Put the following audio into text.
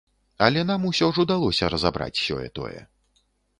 Але нам усё ж удалося разабраць сёе-тое.